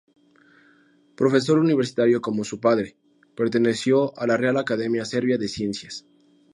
Profesor universitario como su padre, perteneció a la Real Academia Serbia de Ciencias.